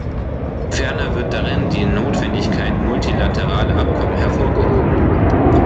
Ferner wird darin die Notwendigkeit multilateraler Abkommen hervorgehoben.